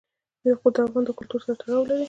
یاقوت د افغان کلتور سره تړاو لري.